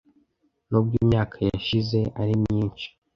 nubwo imyaka yashize ari myinshi